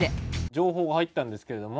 情報が入ったんですけれども。